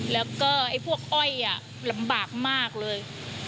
แล้วก็ไอ้พวกอ้อยลำบากมากเลย